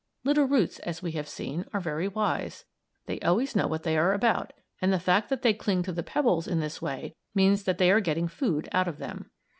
Little roots, as we have seen, are very wise. They always know what they are about, and the fact that they cling to the pebbles in this way means that they are getting food out of them.